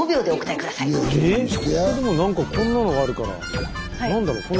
えっ⁉でもなんかこんなのがあるから何だろう？